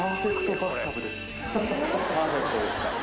パーフェクトですか。